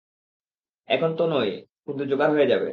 এখন তো নাই, কিন্তু জোগাড় হয়ে যাবে।